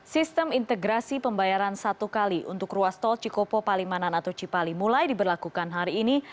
sistem integrasi pembayaran satu kali untuk ruas tol cikopo palimanan atau cipali mulai diberlakukan hari ini